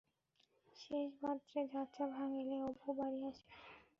শেষ বাত্রে যাত্রা ভাঙিলে অপু বাড়ি আসে।